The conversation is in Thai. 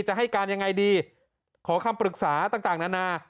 จะให้การยังไงดีขอคำปรึกษาต่างนานา